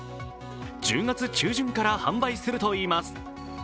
１０月中旬から販売するといいます。